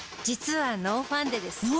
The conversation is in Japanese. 実はノーファンデです。